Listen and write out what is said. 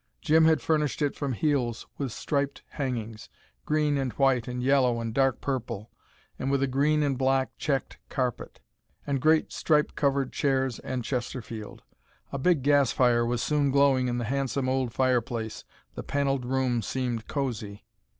Jim had furnished it from Heale's with striped hangings, green and white and yellow and dark purple, and with a green and black checked carpet, and great stripe covered chairs and Chesterfield. A big gas fire was soon glowing in the handsome old fire place, the panelled room seemed cosy.